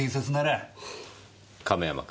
亀山君。